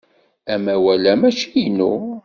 Amawal-a mačči inu.